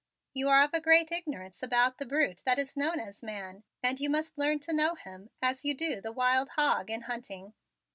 You are of a great ignorance about the brute that is known as man and you must learn to know him as you do the wild hog in hunting."